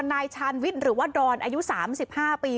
นายชาญวิทย์หรือว่าดอนอายุ๓๕ปี